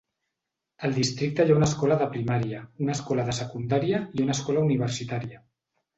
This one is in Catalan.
Al districte hi ha una escola de primària, una escola de secundària i una escola universitària.